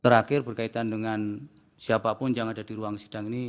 terakhir berkaitan dengan siapapun yang ada di ruang sidang ini